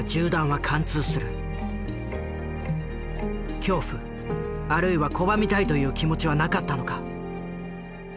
恐怖あるいは拒みたいという気持ちはなかったのか？